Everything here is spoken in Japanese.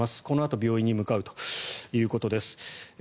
このあと病院に向かうということです。